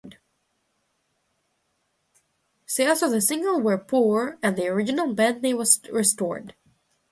Sales of the single were poor, and the original band name was restored.